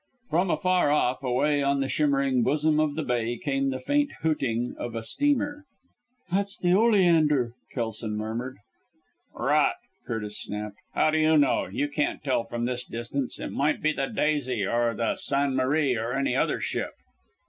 From afar off, away on the shimmering bosom of the bay came the faint hooting of a steamer. "That's the Oleander!" Kelson murmured. "Rot!" Curtis snapped. "How do you know? You can't tell from this distance. It might be the Daisy, or the San Marie, or any other ship."